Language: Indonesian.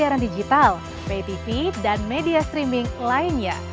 siaran digital ptv dan media streaming lainnya